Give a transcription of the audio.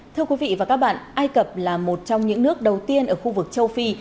thưa quý vị và các bạn ai cập là một trong những nước đầu tiên ở khu vực châu phi